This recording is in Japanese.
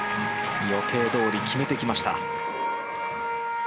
予定どおり決めてきました。